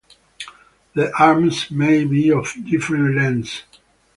The arms may be of different lengths.